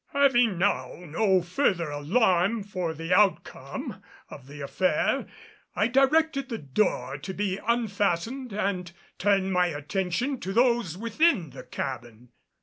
Having now no further alarm for the outcome of the affair, I directed the door to be unfastened and turned my attention to those within the cabin.